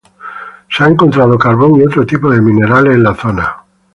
Se ha encontrado carbón y otro tipo de minerales en la zona.